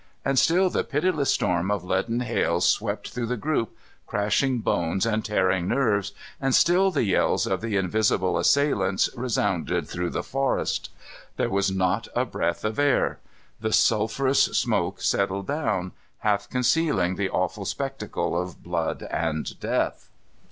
And still the pitiless storm of leaden hail swept through the group, crashing bones and tearing nerves, and still the yells of the invisible assailants resounded through the forest. There was not a breath of air. The sulphurous smoke settled down, half concealing the awful spectacle of blood and death.